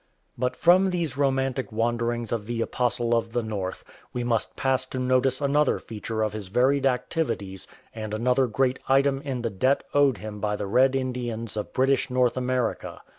But from these romantic wanderings of the "Apostle of the North"" we must pass to notice another feature of his varied activities and another great item in the debt owed him by the Red Indians of British North America.